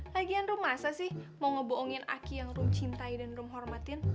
lagian rom masa sih mau ngebohongin aki yang rom cintai dan rom hormatin